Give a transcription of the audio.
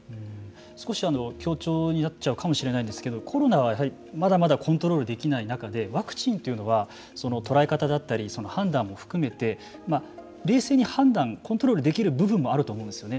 少し協調になっちゃうかもしれないんですけどコロナはやはりまだまだコントロールできない中でワクチンというのは捉え方だったり判断も含めて冷静に判断、コントロールできる部分もあると思うんですよね。